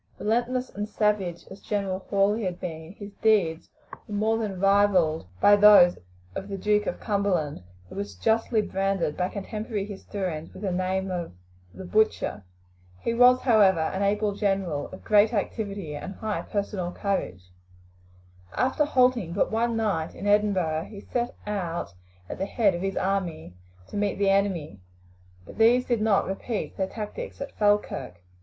Relentless and savage as General Hawley had been, his deeds were more than rivalled by those of the Duke of Cumberland, who was justly branded by contemporary historians with the name of "the butcher." He was, however, an able general, of great activity and high personal courage. After halting but one night in Edinburgh he set out at the head of his army to meet the enemy; but these did not repeat their tactics at Falkirk.